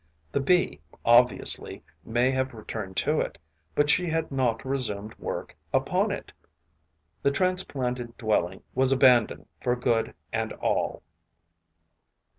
The Bee, obviously, may have returned to it; but she had not resumed work upon it. The transplanted dwelling was abandoned for good and all.